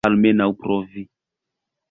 Almenaŭ provi.